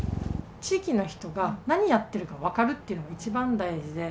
地域の人が何やってるか分かるっていうのが一番大事で。